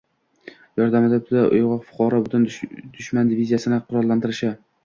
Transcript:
yordamida bitta uyg‘oq fuqaro butun dushman diviziyasini qurollantirishi